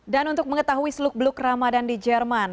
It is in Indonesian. dan untuk mengetahui seluk beluk ramadan di jerman